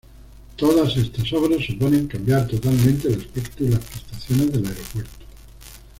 Todas estas obras suponen cambiar totalmente el aspecto y las prestaciones del aeropuerto.